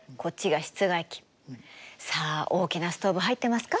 さあ大きなストーブ入ってますか？